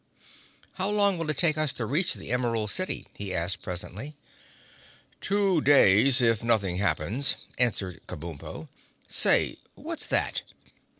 "How long will it take us to reach the Emerald City?" he asked presently. "Two days, if nothing happens," answered Kabumpo. "Say—what's that?"